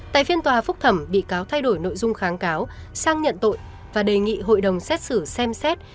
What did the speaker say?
tại phiên tòa phúc thẩm bị cáo thay đổi nội dung kháng cáo sang nhận tội và đề nghị hội đồng xét xử xem xét